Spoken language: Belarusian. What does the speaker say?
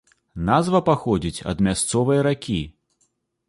Назва паходзіць ад мясцовай ракі.